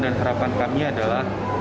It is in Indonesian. dan harapan kami adalah